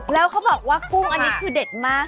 แล้วเขาบอกว่ากุ้งอันนี้คือเด็ดมาก